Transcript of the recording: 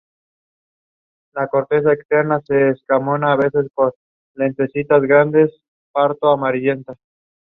The show also involves their relationships with humans, mostly their love interests.